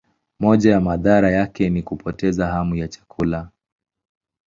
Moja ya madhara yake ni kupoteza hamu ya chakula.